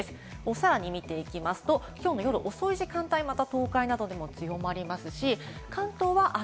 さらに見ていきますと、きょうの夜遅い時間帯、また東海などでも強まりますし、関東は明